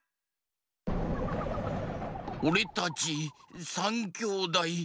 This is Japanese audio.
おれたち３きょうだい。